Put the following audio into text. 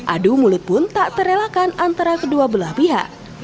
adu mulut pun tak terelakan antara kedua belah pihak